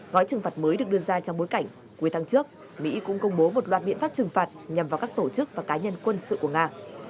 gói trừng phạt mới được đưa ra trong bối cảnh cuối tháng trước mỹ cũng công bố một loạt biện pháp trừng phạt nhằm vào các tổ chức và cá nhân quân sự của nga